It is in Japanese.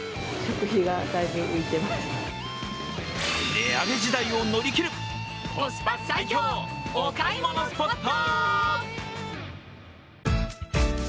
値上げ時代を乗り切るコスパ最強、お買い物スポット。